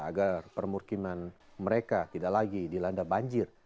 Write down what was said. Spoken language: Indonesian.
agar permukiman mereka tidak lagi dilanda banjir